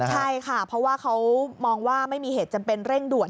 ใช่ค่ะเพราะว่าเขามองว่าไม่มีเหตุจำเป็นเร่งด่วน